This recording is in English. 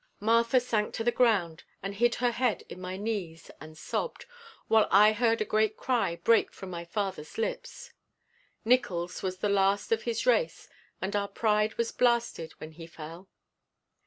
Martha sank to the ground and hid her head in my knees and sobbed while I heard a great cry break from my father's lips. Nickols was the last of his race and our pride was blasted when he fell.